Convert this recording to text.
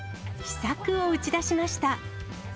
秘策を打ち出しました。